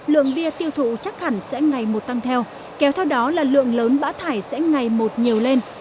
lượng bia tiêu thụ chắc hẳn sẽ ngày một tăng theo kéo theo đó là lượng lớn bã thải sẽ ngày một nhiều lên